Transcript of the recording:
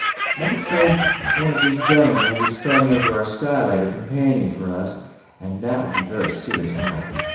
"I'm afraid one of these gentlemen will be starting our skylight or companion for us; and that would be a very serious matter."